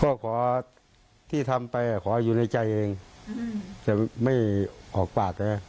ก็ขอที่ทำไปขออยู่ในใจเองแต่ไม่ออกปากนะ